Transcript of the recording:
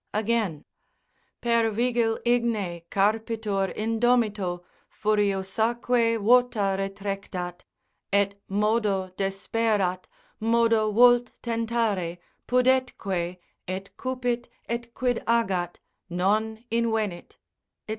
Again, ———Per vigil igne Carpitur indomito, furiosaque vota retrectat, Et modo desperat, modo vult tentare, pudetque Et cupit, et quid agat, non invenit, &c.